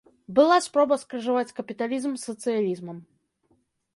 Была спроба скрыжаваць капіталізм з сацыялізмам.